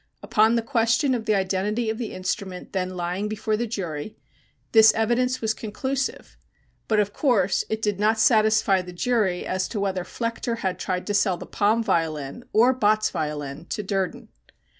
Upon the question of the identity of the instrument then lying before the jury this evidence was conclusive, but, of course, it did not satisfy the jury as to whether Flechter had tried to sell the Palm violin or Bott's violin to Durden.